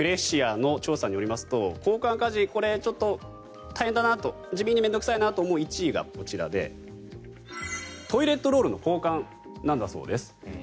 日本製紙クレシアの調査によりますと交換家事、大変だなと地味に面倒臭いなと思う１位はこれでトイレットロールの交換だそうです。